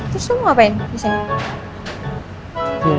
terus lo mau ngapain biasanya